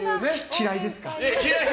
嫌いですか？